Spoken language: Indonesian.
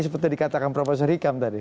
seperti dikatakan profesor hikam tadi